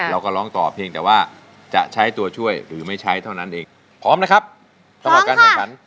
เราก็ร้องต่อเพียงแต่ว่าจะใช้ตัวช่วยหรือไม่ใช้เท่านั้นเองพร้อมนะครับสำหรับการแข่งขัน